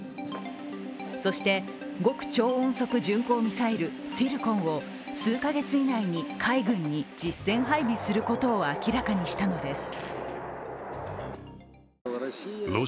そして、極超音速巡航ミサイル、ツィルコンを数カ月以内に海軍に実戦配備することを明らかにしたのです。